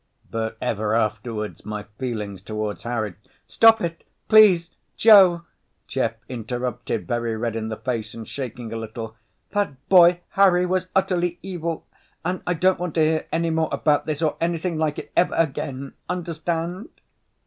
But ever afterwards my feelings toward Harry—" "Stop it, please, Joe!" Jeff interrupted, very red in the face and shaking a little. "That boy Harry was utterly evil. And I don't want to hear any more about this, or anything like it, ever again. Understand?"